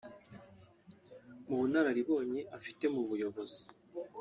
Mu bunararibonye afite mu buyobozi